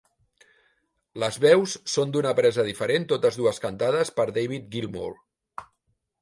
Les veus són d'una presa diferent, totes dues cantades per David Gilmour.